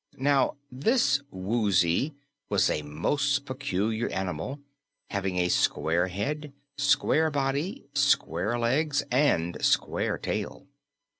Now this Woozy was a most peculiar animal, having a square head, square body, square legs and square tail.